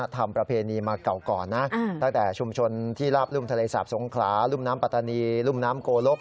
ตั้งแต่ชุมชนที่รับรุ่มทะเลสาบสงขลารุ่มน้ำปัตตานีรุ่มน้ำโกลก